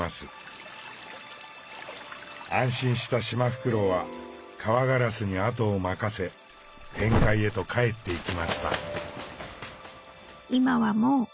安心したシマフクロウはカワガラスに後を任せ天界へと帰っていきました。